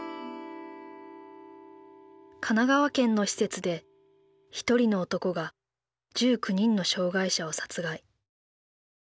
神奈川県の施設で１人の男が１９人の障害者を殺害。